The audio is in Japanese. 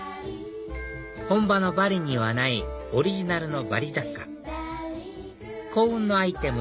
本場のバリにはないオリジナルのバリ雑貨幸運のアイテム